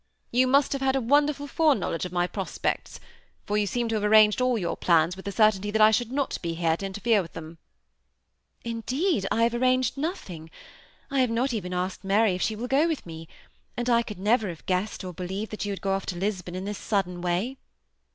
*<You must have had a wonderful foreknowledge of my pros pects, for you seem to have arranged all your plans with tbe certainty that I should not be here to interfere with them." ^ Indeed, I have arranged nothing. I have not even asked Mary if she will go with me ; and I never could have guessed, or believe that you would go off to Lis bon in this sudden way."